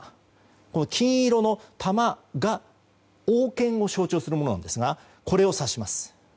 この金色の玉が王権を象徴するものなんですがこれを指します。